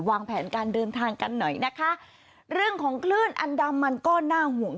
วางแผนการเดินทางกันหน่อยนะคะเรื่องของคลื่นอันดามันก็น่าห่วง